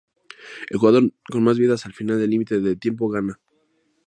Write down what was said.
El jugador con más vidas al final del límite de tiempo gana.